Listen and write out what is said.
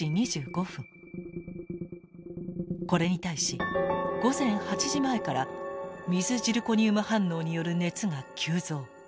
これに対し午前８時前から水ジルコニウム反応による熱が急増。